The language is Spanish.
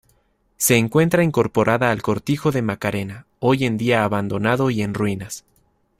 Se encuentra incorporada al cortijo de Macarena, hoy en día abandonado y en ruinas.